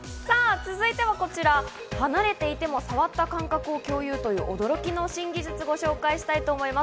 続いてはこちら、離れていても触った感覚を共有という驚きの新技術をご紹介したいと思います。